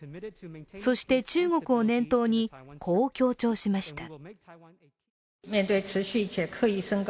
そして中国を念頭にこう強調しました。